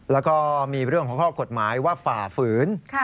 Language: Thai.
แล้วก็มีเรื่องของข้อกฎหมายว่าฝ่าฝืน